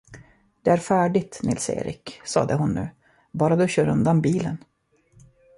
Det är färdigt, Nils Erik, sade hon nu, bara du kör undan bilen.